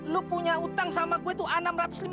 lu punya utang sama gua tuh